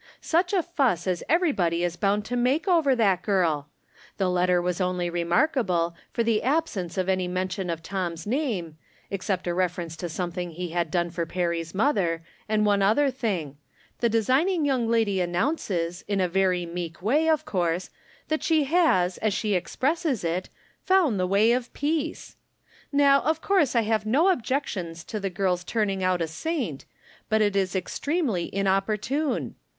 Such a fuss as every body is bound to make over that girl ! The let ter was only remarkable for the absence of any mention of Tom's name, except a reference to something he had done for Perry's mother, and one other thing — the designing young lady an nounces, in a very meek way, of course, that she has, as she expresses it, "found the way of peace." Now, of course I have no objections to the girl's turning out a saint, but it is extremely inoppor tune.